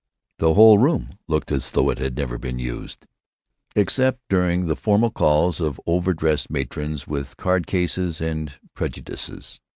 The whole room looked as though it had never been used—except during the formal calls of overdressed matrons with card cases and prejudices.